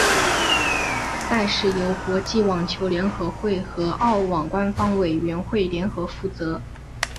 赛事由国际网球联合会和澳网官方委员会联合负责。